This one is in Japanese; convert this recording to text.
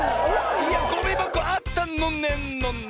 いやゴミばこあったのねんのねん！